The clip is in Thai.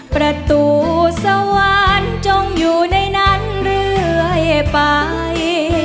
ประตูสวรรค์จงอยู่ในนั้นเรื่อยไป